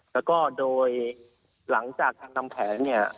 แล้วก็โดยหลังจากทางทำแผน